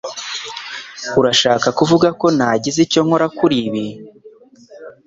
Urashaka kuvuga ko nagize icyo nkora kuri ibi?